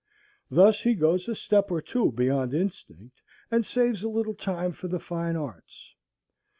Thus he goes a step or two beyond instinct, and saves a little time for the fine arts.